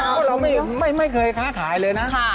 เพราะเราไม่เคยค้าขายเลยนะ